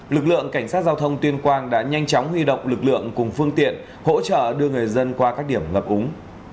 lực lượng cảnh sát giao thông tuyên quang đã nhanh chóng huy động lực lượng cùng phương tiện hỗ trợ đưa người dân qua các điểm ngập úng